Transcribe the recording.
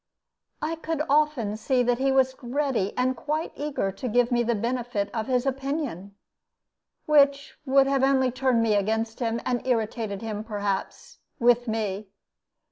I could often see that he was ready and quite eager to give me the benefit of his opinion, which would only have turned me against him, and irritated him, perhaps, with me.